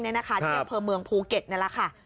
ที่อำเภอเมืองภูเก็ตนี่แหละค่ะ